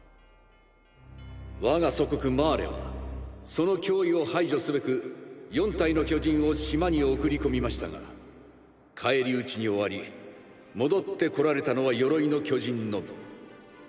我が祖国マーレはその脅威を排除すべく４体の巨人を島に送り込みましたが返り討ちに終わり戻ってこられたのは「鎧の巨人」のみ。